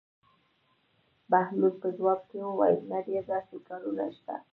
بهلول په ځواب کې وویل: نه ډېر داسې کارونه شته.